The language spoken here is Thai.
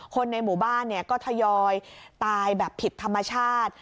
คนในหมู่บ้านก็ทยอยตายแบบผิดธรรมชาติ